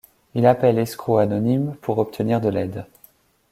Il appelle Escrocs Anonymes pour obtenir de l'aide.